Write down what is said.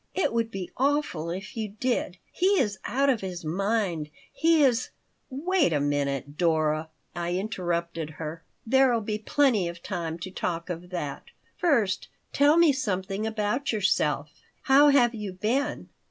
"It would be awful if you did. He is out of his mind. He is " "Wait a minute, Dora," I interrupted her. "There'll be plenty of time to talk of that. First tell me something about yourself. How have you been?